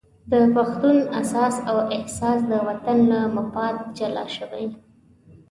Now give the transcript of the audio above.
د پښتون اساس او احساس د وطن له مفاد جلا شوی.